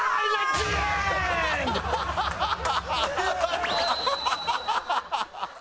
ハハハハ！